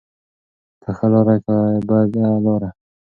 په ښه لاره که بده لاره.